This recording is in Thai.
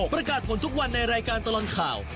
ประกาศผลทุกวันในรายการตลอดข่าว